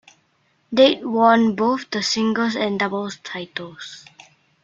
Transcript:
Date won both the Singles and Doubles titles.